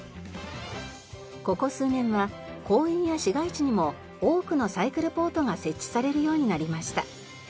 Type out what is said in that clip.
ここ数年は公園や市街地にも多くのサイクルポートが設置されるようになりました。